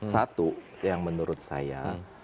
satu yang menurut saya